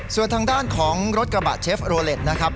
ส่วนทางด้านของรถกระบะเชฟโรเล็ตนะครับ